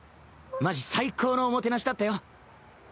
マジ最高のお饗しだったよ。